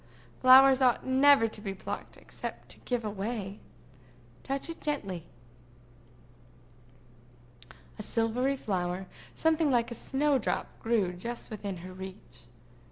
Flowers ought never to be plucked except to give away. Touch it gently." A silvery flower, something like a snow drop, grew just within her reach.